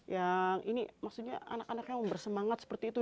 yang ini maksudnya anak anaknya bersemangat seperti itu